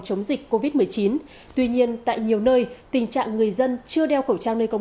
chống dịch covid một mươi chín tuy nhiên tại nhiều nơi tình trạng người dân chưa đeo khẩu trang nơi công